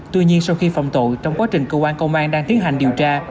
tuy nhiên sau khi phòng tội trong quá trình cơ quan công an đang tiến hành điều tra